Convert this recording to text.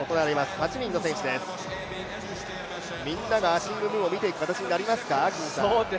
８人の選手です、みんながアシング・ムーを見ていく形になりますか？